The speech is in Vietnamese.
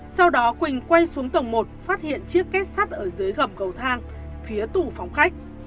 sau đó quỳnh quay xuống tầng một phát hiện chiếc kết sắt ở dưới gầm cầu thang phía tủ phòng khách